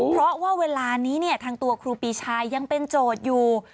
เพราะว่าเวลานี้เนี่ยทางตัวครูปีชายังเป็นโจทย์อยู่